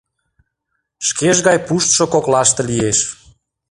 Шкеж гай пуштшо коклаште лиеш